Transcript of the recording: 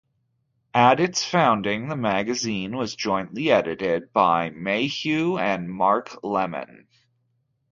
At its founding the magazine was jointly edited by Mayhew and Mark Lemon.